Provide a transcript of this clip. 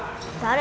誰？